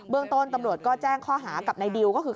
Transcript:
เรื่องต้นตำรวจก็แจ้งข้อหากับในดิวก็คือ